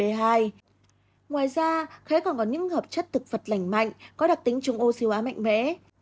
ngoài ra khế còn có những hợp chất thực vật lành mạnh có đặc tính trùng oxy hóa mạnh mẽ